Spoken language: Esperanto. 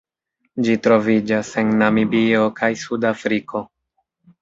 Ĝi troviĝas en Namibio kaj Sudafriko.